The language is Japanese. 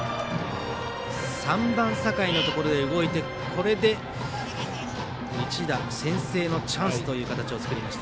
３番、酒井のところで動いて一打先制のチャンスという形を作りました。